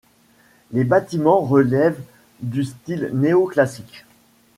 Les bâtiments relèvent du style néo-classique.